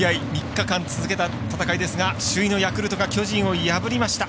３日間続けた戦いですが首位のヤクルトが巨人を破りました。